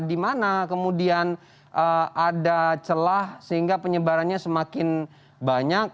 di mana kemudian ada celah sehingga penyebarannya semakin banyak